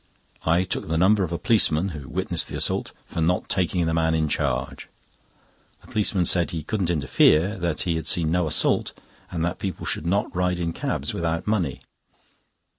I took the number of a policeman (who witnessed the assault) for not taking the man in charge. The policeman said he couldn't interfere, that he had seen no assault, and that people should not ride in cabs without money.